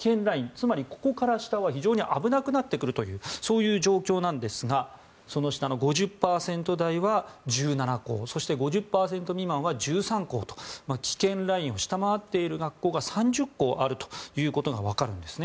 つまり、ここから下は非常に危なくなってくるというそういう状況なんですが５０％台は１７校５０％未満は１３校と危険ラインを下回っている学校が３０校あることが分かります。